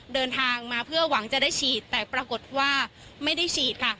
เดินทางมาเพื่อหวังจะได้ฉีดแต่ปรากฏว่าไม่ได้ฉีดค่ะ